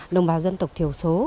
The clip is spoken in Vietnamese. nông bào dân tộc thiểu số